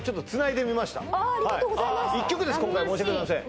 １曲です今回申し訳ございません